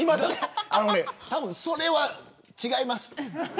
たぶんそれは違います。